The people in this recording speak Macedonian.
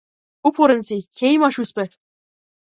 Упорен си ќе имаш успех.